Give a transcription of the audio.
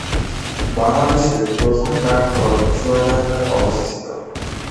বাংলাদেশের প্রথম ডাকঘর চুয়াডাঙ্গায় অবস্থিত।